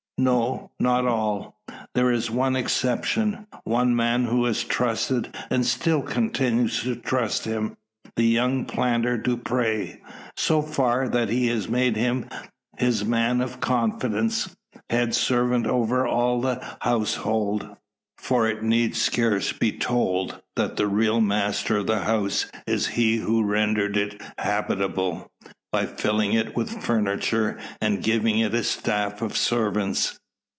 No not all. There is one exception: one man who has trusted, and still continues to trust him the young planter, Dupre. So far, that he has made him his man of confidence head servant over all the household. For it need scarce be told, that the real master of the house is he who rendered it habitable, by filling it with furniture and giving it a staff of servants.